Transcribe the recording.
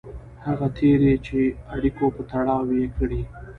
هغه تېري چې اړیکو په تړاو یې کړي.